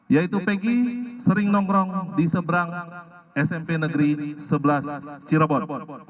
yaitu peggy sering nongkrong di seberang smp negeri sebelas cirebon